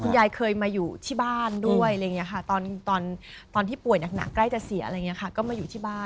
คุณยายเคยมาอยู่ที่บ้านด้วยตอนที่ป่วยหนักกใกล้จะเสียอะไรอย่างนี้ค่ะ